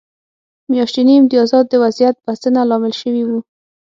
میاشتني امتیازات د وضعیت بسنه لامل شوي وو.